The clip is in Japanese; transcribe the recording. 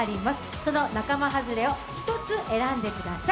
その仲間外れを１つ選んでください。